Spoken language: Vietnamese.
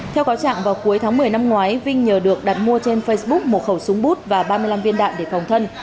theo cáo trạng vào cuối tháng một mươi năm ngoái vinh nhờ được đặt mua trên facebook một khẩu súng bút và ba mươi năm viên đạn để phòng thân